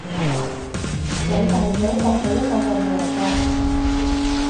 偉大祖國係一個共和國